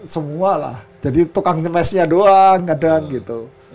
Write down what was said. semualah jadi tukang nyemesnya doang kadang gitu